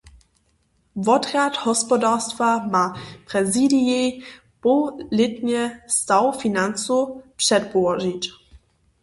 Wotrjad hospodarstwo ma prezidijej połlětnje staw financow předpołožić.